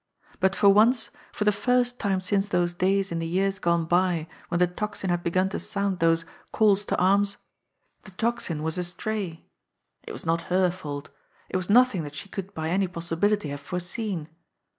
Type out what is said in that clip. But for once, for the first time since those days in the years gone by when the Tocsin* had begun to sound those "calls to arms," the Tocsin was astray. It was not her fault. It was nothing that she could by any possibility have foreseen.